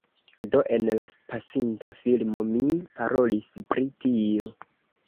Do en la pasinta filmo mi parolis pri tio